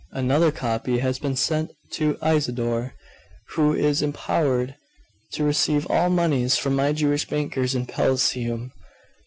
Another copy has been sent to Isidore, who is empowered to receive all moneys from my Jewish bankers in Pelusium.